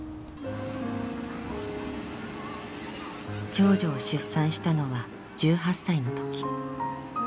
長女を出産したのは１８歳のとき。